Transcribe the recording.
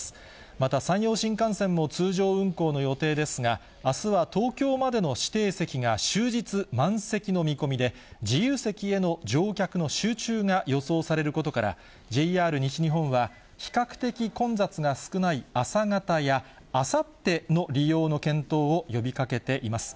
また山陽新幹線も通常運行の予定ですが、あすは東京までの指定席が終日、満席の見込みで、自由席への乗客の集中が予想されることから、ＪＲ西日本は比較的混雑が少ない朝方や、あさっての利用の検討を呼びかけています。